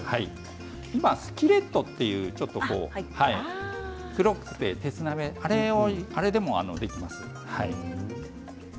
今スキレットというちょっと黒くて鉄鍋、あれでもできます。